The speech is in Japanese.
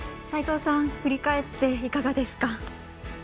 齋藤さん、振り返っていかがですか？